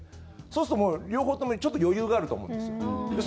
そうすると両方ともちょっと余裕があると思うんです。